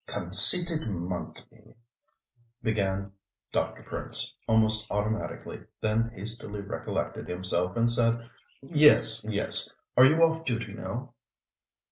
"Conceited monkey " began Dr. Prince, almost automatically, then hastily recollected himself and said: "Yes, yes. Are you off duty now?"